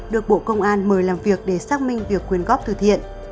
được bộ công an mời làm việc để xác minh việc quyền góp từ thiện